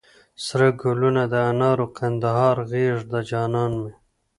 سره ګلونه د انارو، کندهار غېږ د جانان مي